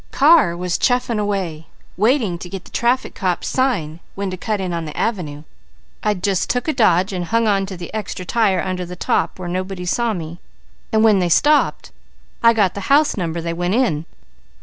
Car was chuffing away, waiting to get the traffic cop's sign when to cut in on the avenue. I just took a dodge and hung on to the extra tire under the top where nobody saw me, and when they stopped, I got the house number they went in.